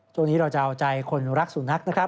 ช่วงนี้เราจะเอาใจคนรักสุนัขนะครับ